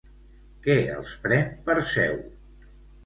Què els pren Perseu?